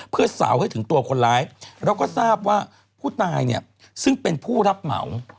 เพื่อสาวให้ถึงตัวคนร้ายแล้วก็ทราบว่าผู้ตายเนี่ยซึ่งเป็นผู้รับเหมา